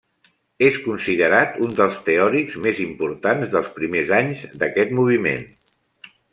És considerat un dels teòrics més importants dels primers anys d'aquest moviment.